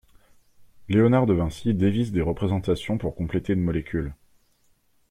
Léonard De Vinci dévisse des représentations pour compléter une molécule.